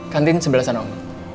kantin sebelah sana om